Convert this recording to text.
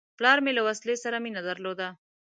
پلار مې له وسلې سره مینه درلوده.